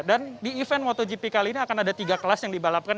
dan di event motogp kali ini akan ada tiga kelas yang dibalapkan